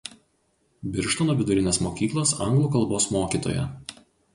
Birštono vidurinės mokyklos anglų kalbos mokytoja.